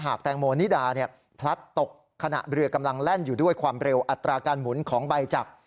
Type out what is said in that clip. แตงโมนิดาพลัดตกขณะเรือกำลังแล่นอยู่ด้วยความเร็วอัตราการหมุนของใบจับ